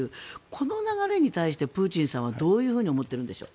この流れに対してプーチンさんはどういうふうに思ってるんでしょう？